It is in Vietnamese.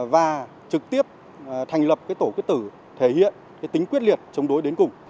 và trực tiếp thành lập tổ quyết tử thể hiện tính quyết liệt chống đối đến cùng